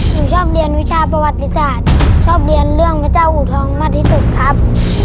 ผมชอบเรียนวิชาประวัติศาสตร์ชอบเรียนเรื่องพระเจ้าอูทองมากที่สุดครับ